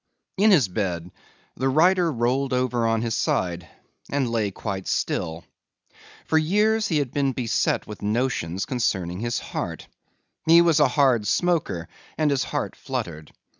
In his bed the writer rolled over on his side and lay quite still. For years he had been beset with notions concerning his heart. He was a hard smoker and his heart fluttered.